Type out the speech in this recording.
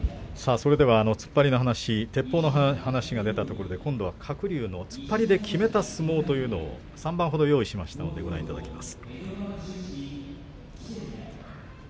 それでは突っ張りの話てっぽうの話が出たところで今度は鶴竜の突っ張りできめた相撲３番ほど用意したのでご覧いただきます。